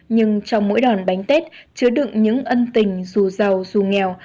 nhưng trong mỗi đòn bánh tết chứa đựng những ân tình dù giàu dù nghèo